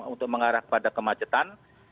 untuk mengarah kepada kemacetan